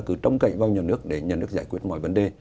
cứ trông cậy vào nhà nước để nhà nước giải quyết mọi vấn đề